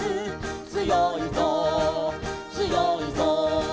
「つよいぞつよいぞ」